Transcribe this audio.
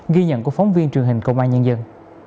ghi nhận của phóng viên truyền hình công an nhân dân